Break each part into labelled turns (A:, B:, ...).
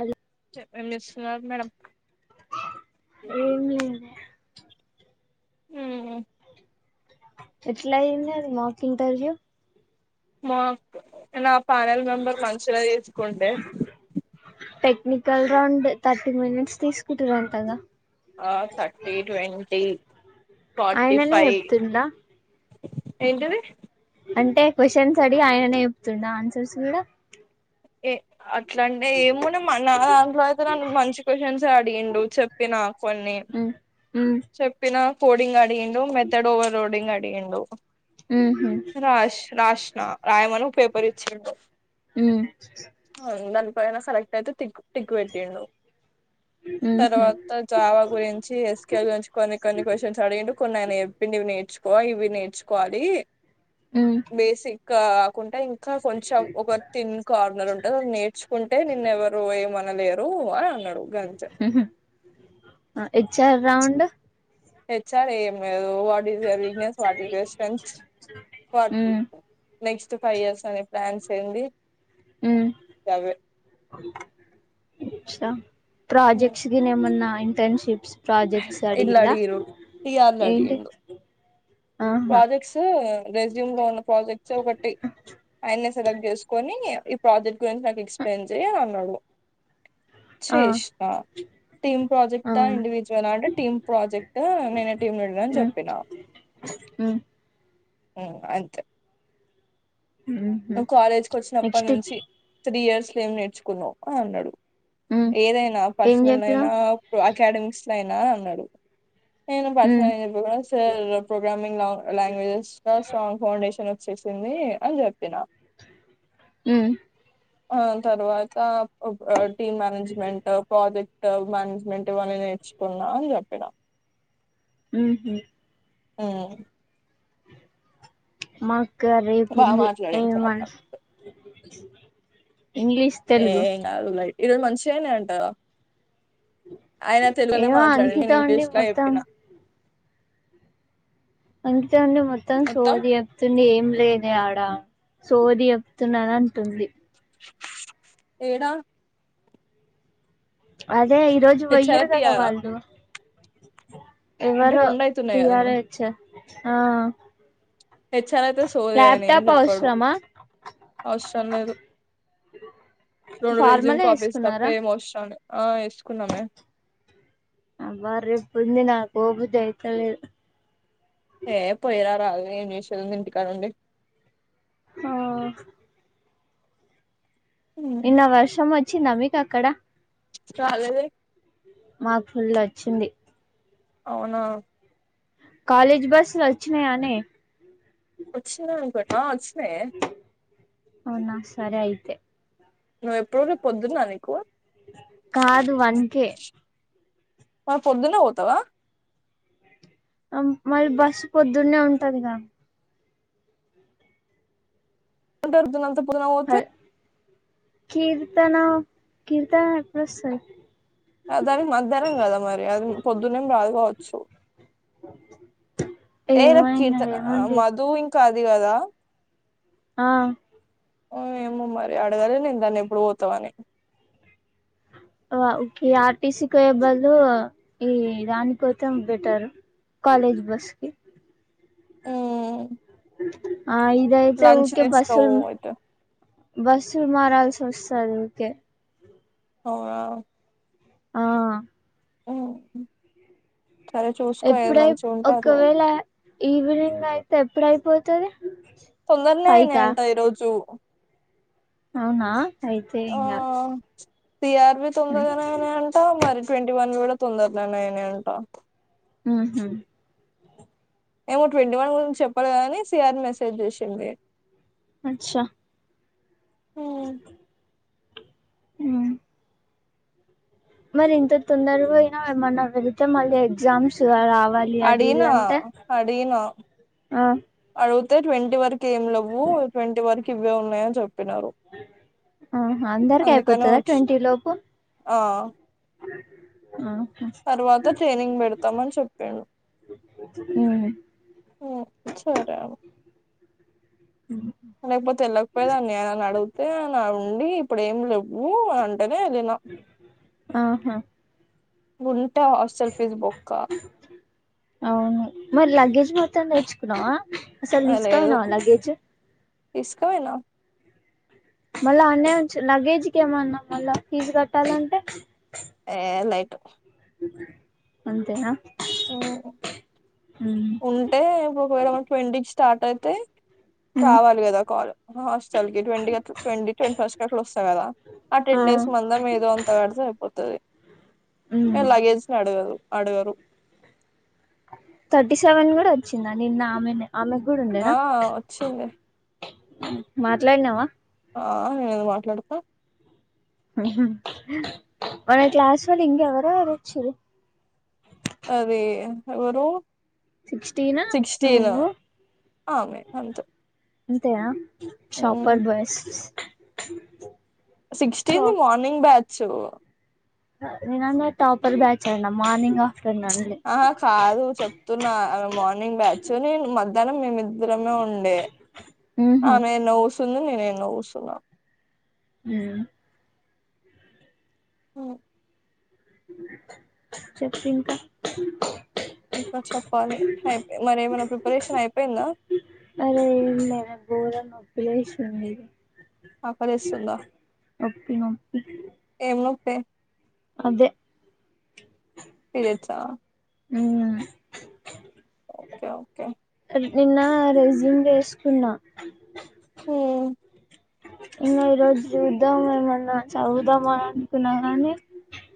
A: అదిే
B: ఏం చేస్తున్నారు మేడంమ్
A: ఏం లేదు
B: ఉ
A: ఎట్లా అయింది మక్ ఇంటర్వ్యూ
B: మాకు నా ప్యానెల్ మెంబర్ మంచిగా తీసుకుంటే
A: టెక్నికల్ రౌండ్ థర్టీ మినిట్స్ తీసుకుంటుారుంతగా
B: ఆ థర్టీ ట్వంటీ ఫార్టీ
A: ఆయననే
B: ఫైవ్
A: చెప్తుండా
B: ఎంటది
A: అంటే క్వ్చన్స్ అడి ఆయననే చెప్తుండ ఆన్సర్స్ కూడా
B: ఏ అ ఎట్లాంటే ఏమున్నా నా దాంట్లో అయితే నన్ను మంచి క్వశ్చన్స్ అడిగిండు చెప్పిన కొన్ని
A: మ్మ్ మ్మ్
B: చెప్పిన కోడింగ్ అడిగిండు మెథడ్ ఓవర్ రోడింగ్ అడిగిండు
A: మ్మ్హు
B: రాష్ రాష్ నా రాయమను పేపర్ ఇచ్చిండు
A: మ్మ్
B: సెలెక్ట్ అయితే ట్టికు పెట్టిండు
A: మ్మ్హు
B: తర్వాత జావా గురించి వసు నుంచి కొన్ని కొన్ని క్వశ్చన్స్ అడిగిం కొన్ని ఆయ ఎప్పిడివిేర్చుకో ఇవి నేచ నుకోవాలి
A: మ్మ్
B: బేసిక్కుం ఇం ఇంకా కొంచెం ఒక తిన్ కార్నర్ ఉంటది అది నేర్చుకుంటే నిన్ను ఎవరు ఏమనా లేరు లేరు అని అన్నాడు గంతే
A: H R round
B: H R ఏమి లేదు what is your weakness what is your strength ఫ
A: మ్మ్
B: నెక్స్ట్ ఫైవ్ ఇయర్స్ అనే ప్లాన్స్యంది
A: ఉమ్ అచ్చా ప్రాజెక్ట్స్ గిన ఏమన్నా ఇంటర్న్షిప్స్ ప్రాజెక్ట్స్
B: ఇట్లా
A: అడిగిండ
B: అడిగిరు టిఆర్లు
A: ఏంటిది
B: అడిగిండు ప్రాజెక్ట్స్ రెజ్యూమ్ లో ఉన్న ప్రాజెక్ట్స్ ఒకటి ఆయనే సెలెక్ట్ చేసుకొని ఈ ప్రాజెక్ట్ గురించి నాకు ఎక్స్ప్లెయిన్ చేయని అన్నాడు
A: ఆ
B: చేసిన టీమ్ ప్రాజెక్ట్ ఆ ఇండివిజువల్ అంటే టీమ్ ప్రాజెక్ట్ నేనే టీమ్ లీడర్ అని
A: మ్మ్
B: చెప్పినా
A: [inaudible]
B: ఉ అంతే
A: మ్మ్హు
B: నువ్ కాలేజ్ కు వచ్చినప్పటి
A: నెక్స్ట్
B: నుంచి త్రీ ఇయర్స్ లో ఏమి నేర్చుకున్నావు అని అన్నాడు
A: ఉమ్
B: ఏదైనా
A: ఏం
B: పర్సనల్
A: చెప్పినవ్
B: అయినా ఇప్పుడు అకాడమిక్స్ లో అయినా అన్నాడు నేను
A: ఉమ్
B: పర్సనల్ ఏం చెప్పకుండా సార్ ప్రోగ్రామింగ్ లాంగ్వేజెస్ లో స్ట్రాంగ్ ఫౌండేషన్ చేసింది అని చెప్పిన
A: మ్మ్
B: ఆ తర్వాత టీమ్ మేనేజ్మెంట్ ప్రాజెక్ట్ మేనేజ్మెంట్ ఇవన్నీ నేర్చుకున్నా అని చెప్పిన
A: ఉహు
B: ఆ
A: మాకు గా రేపు
B: బాగా
A: ఉంది హే
B: మాట్లాడిండు సార్
A: వన్స్
B: ఏం కాదు లైట్ ఈరోజు మంచిగా అయినయ్ అంట కదా ఆయన తెలుగునే
A: ఏమో
B: మాట్లాడిండు
A: అంకిత
B: నేను
A: ఉండి
B: ఇంగ్లీష్ లా
A: మొత్తం
B: చెప్పిన
A: అంకిత ఉండి మొత్తం సోది చెప్తుంది ఏం లేదే ఆడ సోది చెప్తుంది అంటుంది
B: ఏడా
A: అదే ఈ రోజు పోయిర్రు
B: హెచ్ఆర్
A: కదా
B: టిఆరా
A: వాళ్ళు
B: అంటే
A: ఎవరో
B: రెండు అయితున్నాయి కదా
A: తియార
B: నేను
A: ఐ వ
B: హెచ్ ఆర్ అయితే సోది ఆయన ఏం చెప్పాడు
A: అవసరమా
B: అవసరం లేదు రెండు రెజ్యూమ్
A: ఫార్మలే
B: కాపీస్ తప్ప
A: వేసుకున్నారా
B: ఏం అవసరం లేదు ఆ వేసుకున్నామే
A: అబ్బా రేపు ఉంది నాకు పో బుద్ధి అయితలేదు
B: ఏ పోయిరా రాదు ఏం చేసేది ఉంది ఇంటికాడ ఉండి
A: ఆ
B: ఉమ్.
A: నిన్న వర్షం అచ్చిందా మీకు అక్కడ
B: రాలేదే
A: మా ఫుల్ వచ్చింది
B: అవునా
A: కాలేజ్ బస్సులు వచ్చినాయానే
B: వచ్చినాయి అనుకుంట ఆ వచ్చినాయే
A: అవునా సరే అయితే
B: నువ్వు ఎప్పుడు రేపు పొద్దున్నా నీకు
A: కాదు వన్ కె
B: మరి పొద్దున్నే పోతవా
A: మళ్ళీ బస్సు పొద్దున్న ఉంటదిగా
B: అంటతు [unintelligible] పొద్దున పోతే
A: కీర్తన కీర్తన అడ్రస్
B: దానికి మధ్యాహ్నం కదా మరి అది పొద్దున్నేం రాదు కావచ్చు
A: అ
B: ఏ రేపు కీర్త మధు ఇంకా అది కదా
A: ఆ
B: ఆ ఏమో మరి అడగాలే నేను దాన్ని ఎప్పుడు పోతావని
A: ఓే ఊకె ఆర్టీసి కి పోయే బదులు ఈ వ్యాన్ కోటం బెటర్ కాలేజ్ బస్కి
B: ఊ
A: ఆ ఇదియితే ఊకే బస్
B: తీసుకోవు అయితే
A: బస్ మారాల్సి వస్తది ఊకె
B: అవునా
A: ఆ
B: ఆ
A: ఎప్పుడై ఒకవేళ ఈవినింగ్ అయితే ఎప్పుడయిపోతది
B: తొందరనే అయినా
A: ఫైకా
B: అంట ఈరోజు
A: అవునా అయితే ఇంగ
B: సిఆర్ బి తొందరగానే అంట మరి ట్వంటీ వన్ కూడా తొందరగానేనే అంట
A: ఆహా
B: ఏమో ట్వంటీ వన్ గురించి చెప్పాలే కాని సిఆర్ మెసేజ్ చేసింది
A: అచ్చా ఉమ్ మరి ఇంత తొందర పోయినావ్ ఏమన్నా వెళ్ళితే మళ్ళీ ఎగ్జామ్స్ రావ
B: అడిగిన అడిగిన
A: ఆ
B: అడుగుతే అయితే ట్వంటీ వరకు ఏం లేవు ట్వంటీ వరకు ఇవే ఉన్నాయని చెప్పినారు
A: ఆహా అందరికి
B: అందుకనే
A: అయిపోతదా
B: వచ్చి
A: ట్వంటీ లోపు
B: ఆ
A: ఆ
B: తర్వాత ట్రైనింగ్ పెడతామని చెప్పాను
A: ఉమ్
B: సరే అ లేకపోతే వేళ్ళకపోయదాన్ని ఆయనని అడిగితే ఆయన ఉండి ఇప్పుడు ఏమి లేవ్వు అంటేనే వెళ్ళిన
A: ఆహా
B: ఉంటా హాస్టల్ ఫీస్ బొక్క
A: అవును మరి లగేజ్ మొత్తం నేర్చుకున్నావా అసలు తీసుకపోయావా లగేజ్
B: తీసుకపోయనా
A: మళ్ళా అన్నే వునుఉంచు లగేజ్ కి ఏమన్నా మళ్ళా ఫీజు కట్టాలంటే
B: ఏ లైట్
A: అంతేనా
B: ఓ
A: ఉమ్
B: ఉంటే ఇప్పుడు ఒకవేళ మన ట్వంటీకి స్టార్ట్ అయితయి
A: ఉమ్
B: రావాలి కదా కాల్ హాస్టల్ కి ట్వంటీ ట్వంటీ ట్వంటీ ఫస్ట్ అట్లా వస్తా కదా ఆ టెన్ డేస్ మందం ఏదో అంత కడితే అయిపోతుది
A: ఉమ్
B: ఏ లగేజ్ ని అడగరు అడగరు
A: థర్టీ సెవెన్ కూడా వచ్చిందా నిన్న ఆమెనే ఆమెకు కూడా ఉండేనా
B: ఆ వచ్చింది
A: మాట్లాడినావా
B: ఆ నేను ఎందుకు మాట్లాడతా?
A: మన క్లాస్ వాళ్ళు ఇంగ ఎవరెవరు వచ్చిర్రు?
B: అదే ఎవరు
A: సిక్స్టీనా
B: సిక్స్టీన్
A: నువ్వు
B: ఆమె అంతే
A: అంతేనా shopper boys
B: sixteen the morning batch.
A: నేనన్న టాపర్ బ్యాచ్ అన్నా, మార్నింగ్ గా.
B: ప్చ్ అహ కాదు చెప్తున్నా, ఆమె మార్నింగ్ బ్యాచు, నేను మధ్యాహ్నం మేమిద్ ఇద్దరమే ఉండే,
A: ఉహు
B: ఆమె ఎన్నో కూసింది, నేను ఎన్నో కూసున్న
A: ఉమ్
B: ఆ
A: చెప్పు ఇంకా
B: ఇంకా చెప్పాలి, అయిపే మరి ఏమైనా ప్రిపరేషన్ అయిపోయిందా?
A: అరే ఏం లేదే గోరంగా నొప్పి లేసింది.
B: ఆకలేస్తుందా,
A: నొప్పి నొప్పి
B: ఏం నొప్పే?
A: అదే
B: పీరియడ్సా?
A: ఉమ్
B: ఓకే ఓకే
A: నిన్న రెజ్యూమ్ చేసుకున్నా.
B: హ్మ్
A: ఇంగ ఈరోజు చూద్దాం ఏమన్నా చదువుదాం అని అనుకున్నా గని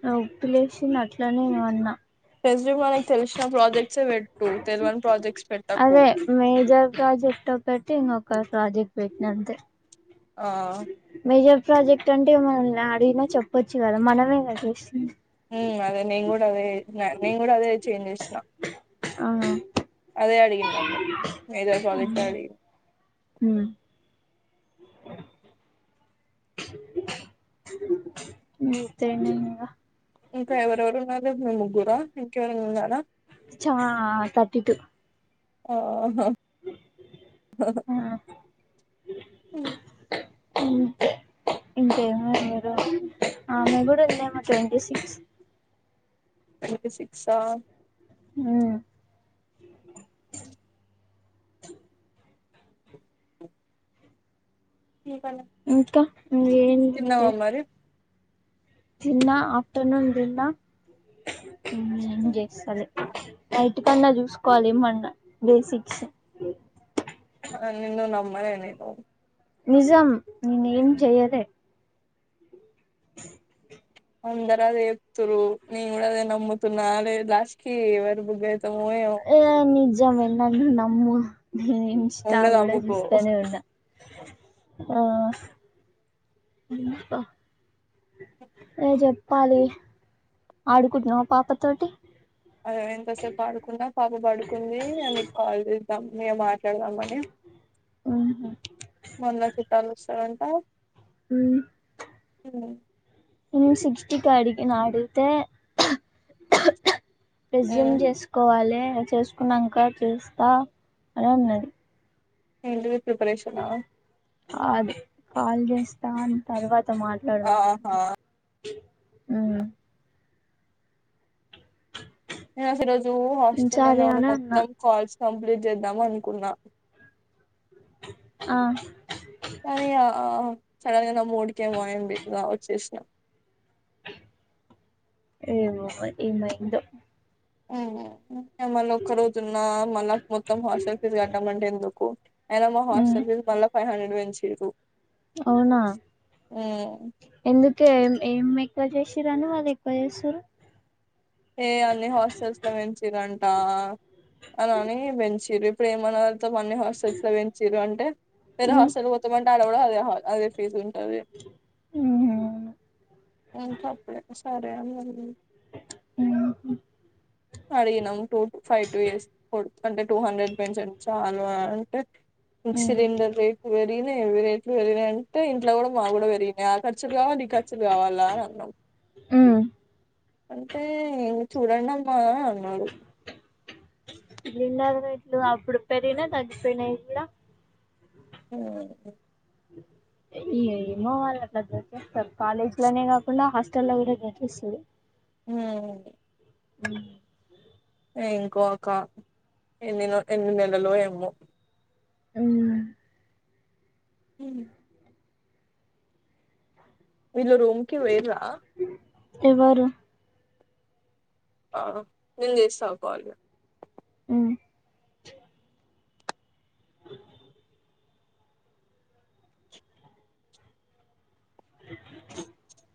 A: నోప్పులేసింది అట్లనే వన్న
B: రెస్యూమ్ లో మనకి తెలిసిన ప్రాజెక్ట్సే పెట్టు, తెలివని ప్రాజెక్ట్స్ పెట్టకు.
A: ప్రాజెక్టో పెట్టి ఇంగొక ప్రాజెక్ట్ పెట్టినంతే
B: ఆ
A: ప్రాజెక్ట్ అంటే మనల్ని అడినా చెప్పొచ్చు కదా, మనమే గా చేసింది.
B: ఉమ్ అదే నేను గుడ చేసిన, నేను గుడ అదే చేంజ్ చేసిన
A: ఆ
B: అదే అడిగిండు నన్ను, మేజర్ ప్రాజెక్టె అడిగిండు.
A: ఇంతేనా ఇంగ.
B: ఇంకా ఎవరెవరు ఉన్నారు, రేపు మీ ముగ్గురా, ఇంకెవరైనా ఉన్నారా?
A: చా థర్టీ టు
B: ఆహా
A: అ ఇంకేమన్నరు ఆమె గుడ ఉందేమో ట్వంటీసిక్స్
B: ట్వంటీ సిక్సా
A: ఉమ్
B: ఉమ్ ఇంకానా
A: ఇంకా ఇంగ ఏం
B: తిన్నావా
A: లేదే
B: మరి
A: తిన్నా ఆఫ్టర్నూన్ తిన్నా. ఏం చేస్తలే అయి. ఇంటికన్నే చూసుకోవాలి ఏమన్నా బేసిక్స్
B: ఆ నిన్ను నమ్మనే నను.
A: నిజం నేను ఏం చెయ్యలే.
B: అందరూఅదే చెప్తూ రూ నేనుకూడాఆదే నమ్ముతు లాస్ట్ కి ఎవరు బుగ ఏమో
A: జర నన్ను నమ్మునమ్ నేను ఇన్స్ా
B: ఉన్నది
A: కూడా
B: అమ్ముకో
A: చూస్తానే ఉన్నా ఆ ఇప్ప ఏ చెప్పాలి ఆడుకుంటున్నావా పాప తోటి
B: ఎంతసేపు పాడుకున్నా పాప పడుకుంది అ మేము మాట్లాడదామని
A: ఉహు
B: మ లా చుట్టాలు వస్తార ఆ
A: హు
B: ఊ
A: నేను సిక్స్ టికి అడిగిన అడిగితే రెజ్యూమ్
B: హ్మ్
A: చేసుకోవాలి చేసుకున్నాక చూస్తా అని అన్నాడు
B: టి ప్రిపరేషన్
A: అది కాల్ చేస్తాని తర్వాత మాట్లాడదాం మే
B: ఆహా
A: ఊ
B: నేను రోజు హాస్టల్ లోనే
A: సరే
B: ఉడి
A: అని అన్నా
B: మొత్తం కాల్స్ కంప్లీట్ చేద్దాం అనుకున్నా
A: ఆ
B: కానీ ఆ సడన్ గా నా మూడిక ఏమోయి ది వచ్చేసినా
A: ఏవో ఏమైందో
B: హేమలఒక్క రోజు ఉన్న మళ్ళా మొత్తం హాస్టల్ ఫీజ కట్టమంటే ఎందుకు అయినా మా
A: ఉమ్
B: హాస్టల్ ఫీజ్ మళ్ళీ ఫైవ్ హండ్రెడ్ పెంచిరు
A: అవునా ఎందు కే ఏం ఎక్కువ చేసిరని వాళ్ళు ఎక్కువ చేసారు
B: ఏ అన్నిీ హాస్టల్స్ లొ పెంచిరంట ఆనాని బెంచిరు ఇప్పుడు ఏమన్నా అన్ని హాస్టల్స్ లో పెంచరు అంటే వేరే
A: ఉమ్
B: హాస్టల్ పోత్తామంటే ఆడ కూడా అదే అదే ఫీజ ఉ దే
A: ఉమ్
B: తప్పడ సారే
A: ఆహ
B: అడిగినం టూూ ఫైవ్ టూ ఇయర్స్ అంటే టూ హండ్రెడ్ పెంచండి చాలు అంటే స సిలింండర్ రెట్లు పెరిగి పెరిగినయి అవి రెట్లు పెరిగినయియంటే ఇంట్లో కూడా మాకు కూడా పెరిగినయి ఆ ఖర్చులు కావాలి ఈ ఖర్చులు కావాలా అని అన్నాం
A: హు
B: అంటే ఇంగ చూడండి అమ్మా అన్నాడు
A: నువ్వు అప్పుడు పెరిగిన తగ్గిపోయినాయి ఇ
B: ఉ
A: [inaudible] ఏమో వాళ్ళు అట్లా డ్రట్స్తారు కాలేజ్ లోనే కాకుండా హాస్టల్ లో కూడా డ్రట్ ఇస్తుంది
B: అ
A: ఉ
B: ఇంకోక ఎన్ని ఎన్ని నెలలో ఏమో
A: అ
B: హ మీరు రూంకి వేరా
A: ఎవరు?
B: ఆ నేను చేస్తా కాల్
A: మ్ [inaudible] [inaudible]